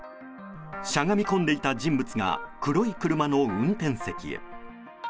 しゃがみ込んでいた人物が黒い車の運転席へ。